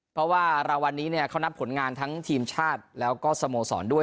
เพราะว่ารางวัลนี้เขานับผลงานทั้งทีมชาติแล้วก็สโมสรด้วย